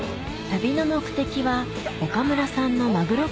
・旅の目的は岡村さんのマグロ